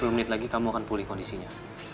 tiga puluh menit lagi kamu akan pulih kondisinya